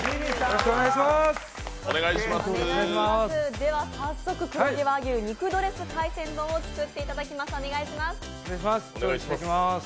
では、早速、黒毛和牛肉ドレス海鮮丼を作っていただきます。